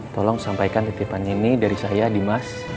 tolong sampaikan titipan ini dari saya di mas